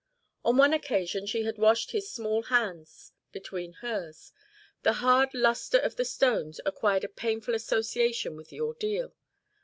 On one occasion she had washed his small hands between hers. The hard lustre of the stones acquired a painful association with the ordeal.